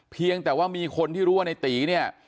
เพียงแต่ว่ามีคนที่รู้ว่าในตีเนี่ย